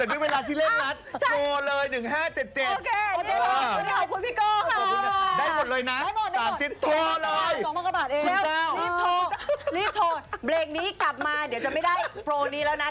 คุณจะตกไหมคะคุณก้อคุณจะตก